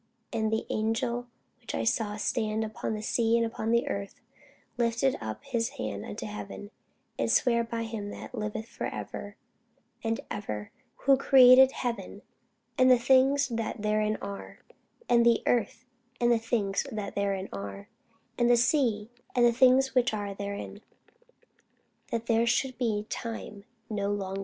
And the angel which I saw stand upon the sea and upon the earth lifted up his hand to heaven, and sware by him that liveth for ever and ever, who created heaven, and the things that therein are, and the earth, and the things that therein are, and the sea, and the things which are therein, that there should be time no longer.